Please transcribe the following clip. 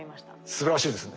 すばらしいですね。